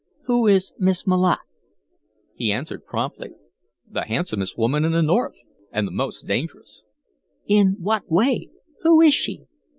"Who is Miss Malotte?" He answered, promptly: "The handsomest woman in the North, and the most dangerous." "In what way? Who is she?"